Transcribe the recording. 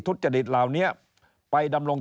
ทุจริตเหล่านี้ไปดำรง